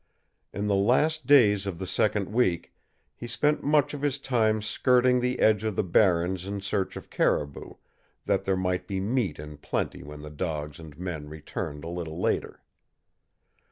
In the last days of the second week, he spent much of his time skirting the edge of the barrens in search of caribou, that there might be meat in plenty when the dogs and men returned a little later.